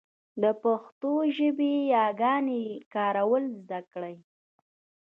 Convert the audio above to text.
د پښتو ژبې ياګانو کارول زده کړئ.